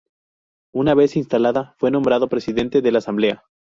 Una vez instalada fue nombrado presidente de la Asamblea.